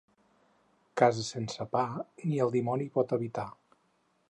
Casa sense pa, ni el dimoni hi pot habitar.